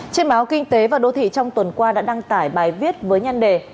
trên báo kinh tế và đô thị trong tuần qua đã đăng tải bài viết với nhăn đề